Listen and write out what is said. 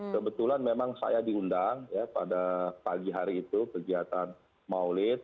kebetulan memang saya diundang ya pada pagi hari itu kegiatan maulid